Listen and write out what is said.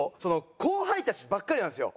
後輩たちばっかりなんですよ。